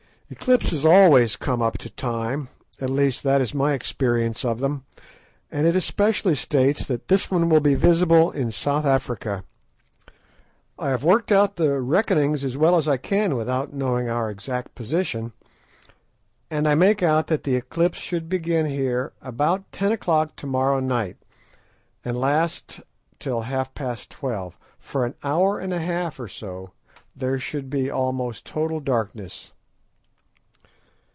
"Eclipses always come up to time; at least that is my experience of them, and it especially states that this one will be visible in South Africa. I have worked out the reckonings as well as I can, without knowing our exact position; and I make out that the eclipse should begin here about ten o'clock tomorrow night, and last till half past twelve. For an hour and a half or so there should be almost total darkness."